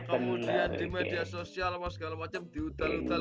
kemudian di media sosial segala macam diutal utal